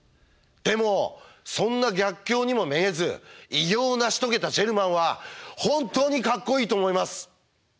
でもそんな逆境にもめげず偉業を成し遂げたジェルマンは本当にかっこいいと思います！